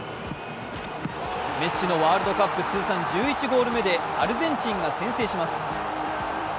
メッシのワールドカップ通算１１ゴール目でアルゼンチンが先制します。